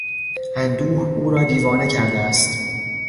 اندوه او را دیوانه کرده است.